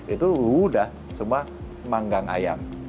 itu udah cuma manggang ayam